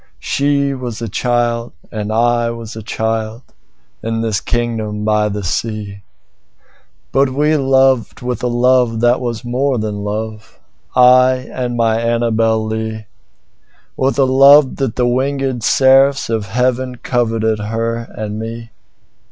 I was a child and she was a child, In this kingdom by the sea, But we loved with a love that was more than love,I and my Annabel Lee; With a love that the wingèd seraphs of heavenCoveted her and me.